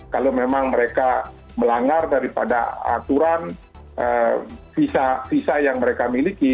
kalau memang mereka melanggar daripada aturan visa yang mereka miliki